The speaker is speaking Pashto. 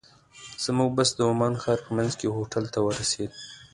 زموږ بس د عمان ښار په منځ کې هوټل ته ورسېد.